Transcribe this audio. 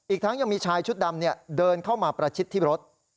อีกทั้งยังมีชายชุดดำเดินเข้ามาประชิดที่รถ